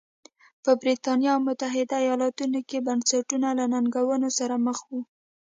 په برېټانیا او متحده ایالتونو کې بنسټونه له ننګونو سره مخ وو.